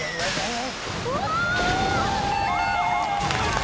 うわ！